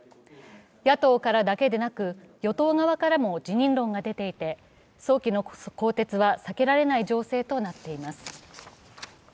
野党からだけでなく、与党側からも辞任論が出ていて、早期の更迭は避けられない情勢となっています。